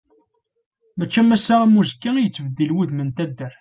Mačči am ass-a am uzekka i yettbeddil wudem n taddart.